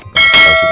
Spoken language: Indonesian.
kita kasih dulu ya